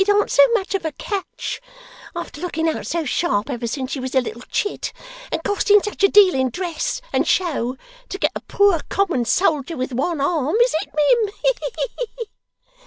It an't so much of a catch, after looking out so sharp ever since she was a little chit, and costing such a deal in dress and show, to get a poor, common soldier, with one arm, is it, mim? He he!